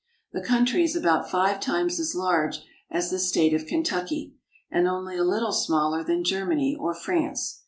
The country is about five times as large as the state of Kentucky and only a little smaller than Germany or France.